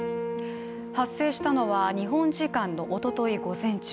発生したのは日本時間のおととい午前中。